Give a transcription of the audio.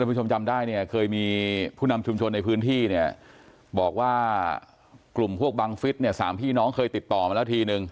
ผู้ชมจำได้เนี่ยเคยมีผู้นำชุมชนในพื้นที่เนี่ยบอกว่ากลุ่มพวกบังฟิศเนี่ยสามพี่น้องเคยติดต่อมาแล้วทีนึง